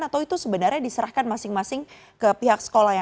atau itu sebenarnya diserahkan masing masing ke pihak sekolah